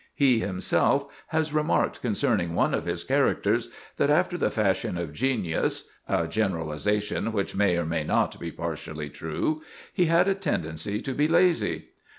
He himself has remarked concerning one of his characters that, after the fashion of genius—a generalization which may or may not be partially true,—he had a tendency to be lazy.